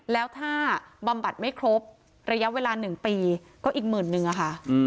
แล้วถ้าบำบัดไม่ครบระยะเวลา๑ปีก็อีก๑๐๐๐๐บาทนะคะ